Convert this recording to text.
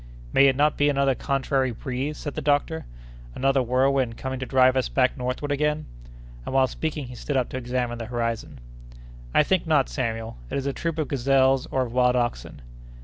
"May it not be another contrary breeze?" said the doctor, "another whirlwind coming to drive us back northward again?" and while speaking he stood up to examine the horizon. "I think not, Samuel; it is a troop of gazelles or of wild oxen."